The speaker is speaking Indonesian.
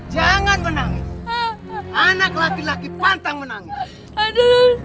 jangan menangis anak laki laki pantang menangis aduh